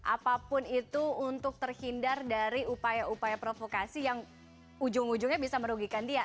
apapun itu untuk terhindar dari upaya upaya provokasi yang ujung ujungnya bisa merugikan dia